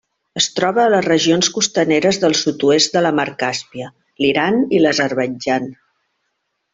Es troba a les regions costaneres del sud-oest de la Mar Càspia: l'Iran i l'Azerbaidjan.